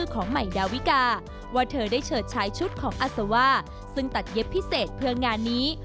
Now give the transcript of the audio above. ก็ได้รับเชิดชายชุดของอาซาว่าซึ่งตัดเย็บพิเศษเพื่องานนี้